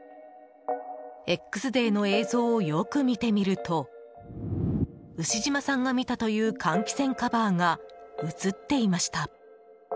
Ｘデーの映像をよく見てみると牛島さんが見たという換気扇カバーが映っていました。